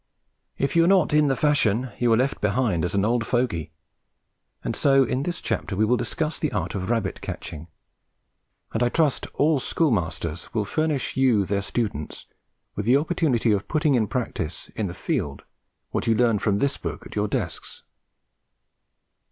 If you are not in the fashion you are left behind as an old fogey, and so in this chapter we will discuss the art of rabbit catching; and I trust all schoolmasters will furnish you, their students, with the opportunity of putting in practice in the field what you learn from this book at your desks.